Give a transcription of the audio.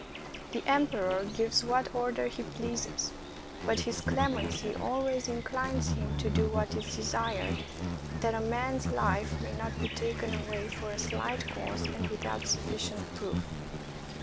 The emperor gives what order he pleases; but his clemency always inclines him to do what is desired, that a man's life may not be taken away for a slight cause and without sufficient proof.